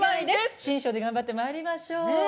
新春で頑張ってまいりましょう。